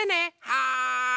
はい。